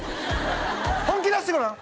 本気出してごらん！